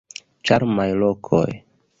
Ĉarmaj lokoj.